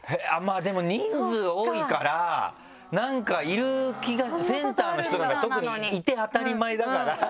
でも人数多いからなんかいる気がセンターの人なんか特にいて当たり前だから。